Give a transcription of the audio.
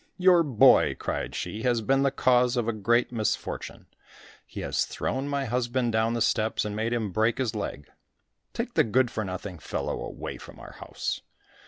"Your boy," cried she, "has been the cause of a great misfortune! He has thrown my husband down the steps and made him break his leg. Take the good for nothing fellow away from our house."